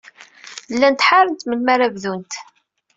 Llant ḥarent melmi ara bdunt.